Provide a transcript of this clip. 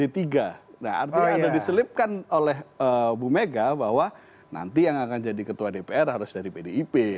nah artinya ada diselipkan oleh bu mega bahwa nanti yang akan jadi ketua dpr harus dari pdip